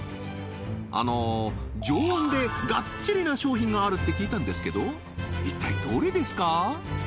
あの常温でがっちりな商品があるって聞いたんですけど一体どれですか？